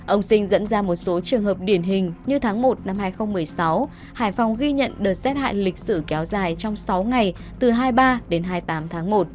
ông sinh dẫn ra một số trường hợp điển hình như tháng một năm hai nghìn một mươi sáu hải phòng ghi nhận đợt rét hại lịch sử kéo dài trong sáu ngày từ hai mươi ba đến hai mươi tám tháng một